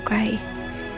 tapi gue keselalaing uangnya